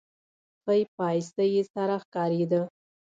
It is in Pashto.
ښۍ پايڅه يې سره ښکارېده.